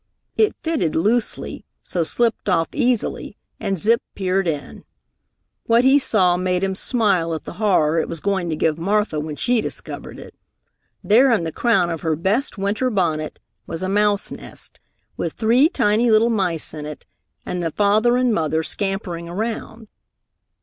It fitted loosely, so slipped off easily, and Zip peered in. What he saw made him smile at the horror it was going to give Martha when she discovered it. There in the crown of her best winter bonnet was a mouse nest, with three tiny little mice in it, and the father and mother scampering around.